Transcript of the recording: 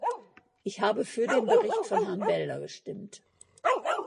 Ich habe für den Bericht von Herrn Belder gestimmt.